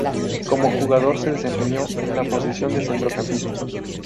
Como jugador, se desempeñó en la posición de centrocampista.